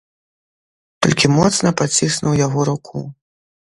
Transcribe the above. Толькі моцна паціснуў яго руку.